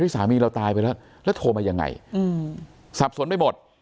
สามีเราตายไปแล้วแล้วโทรมายังไงสับสนไปหมด